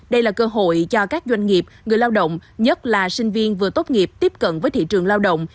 đây là cơ hội cho các doanh nghiệp người lao động nhất là sinh viên vừa tốt nghiệp tiếp cận với thị trường lao động